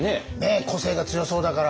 個性が強そうだから。